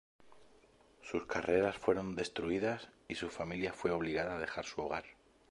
Sus carreras fueron destruidas y su familia fue obligada a dejar su hogar.